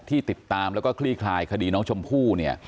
ที่ติดตามแล้วก็คลี่คลายคดีน้องชมพู่